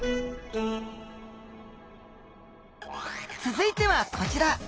続いてはこちら。